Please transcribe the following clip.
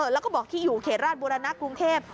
๐๑๒๓๔๕๖๗๘แล้วก็บอกที่อยู่เขตราชบุรณะกรุงเทพฯ